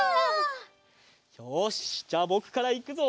よしじゃあぼくからいくぞ！